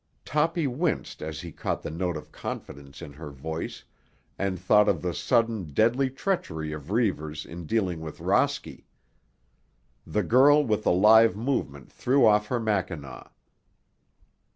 Toppy winced as he caught the note of confidence in her voice and thought of the sudden deadly treachery of Reivers in dealing with Rosky. The girl with a lithe movement threw off her mackinaw.